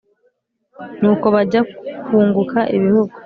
ni uko bajya kwunguka ibihugu